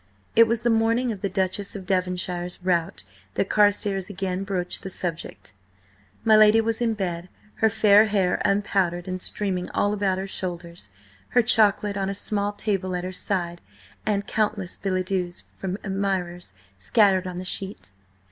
It was the morning of the Duchess of Devonshire's rout that Carstares again broached the subject. My lady was in bed, her fair hair unpowdered and streaming all about her shoulders, her chocolate on a small table at her side and countless billets doux from admirers scattered on the sheet.